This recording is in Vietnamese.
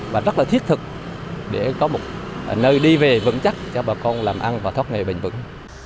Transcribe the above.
và rất là thiết thực để có một nơi đi về vững chắc cho bà con làm ăn và thoát nghề bình vững